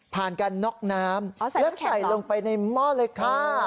ผ่านการน็อกน้ำแล้วใส่ลงไปในหม้อเลยค่ะ